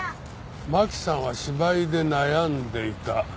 マキさんは芝居で悩んでいた。